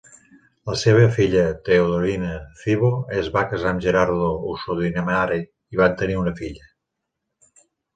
La seva filla Teodorina Cybo es va casar amb Gerardo Usodimare i van tenir una filla.